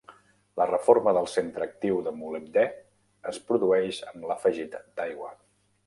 La reforma del centre actiu de molibdè es produeix amb l'afegit d'aigua.